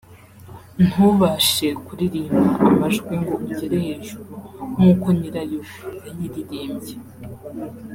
ntubashe kuririmba amajwi ngo ugere hejuru nk’uko nyirayo yayiririmbye